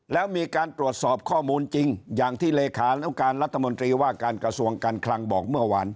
แล้วมีการตรวจสอบข้อมูลจริงอย่างที่เลขานุการรัฐมนตรีว่าการกระทรวงการคลังบอกเมื่อวาน